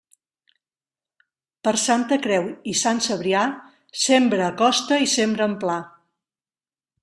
Per Santa Creu i Sant Cebrià, sembra a costa i sembra en pla.